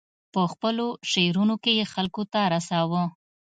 په خپلو شعرونو کې یې خلکو ته رساوه.